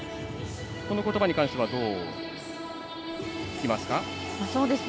この言葉に関してはどうですか。